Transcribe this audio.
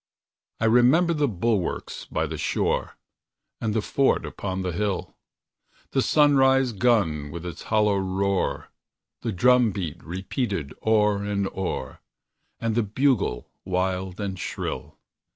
I remember the bulwarks by the shore, And the fort upon the hill; The sunrise gun, with its hollow roar, The drum beat repeated o'er and o'er, And the bugle wild and shrill.